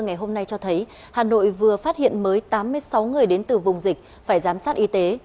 ngày hôm nay cho thấy hà nội vừa phát hiện mới tám mươi sáu người đến từ vùng dịch phải giám sát y tế